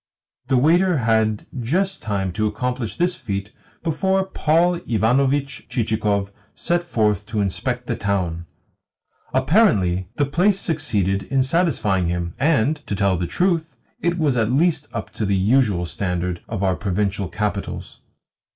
The waiter had just time to accomplish this feat before Paul Ivanovitch Chichikov set forth to inspect the town. Apparently the place succeeded in satisfying him, and, to tell the truth, it was at least up to the usual standard of our provincial capitals.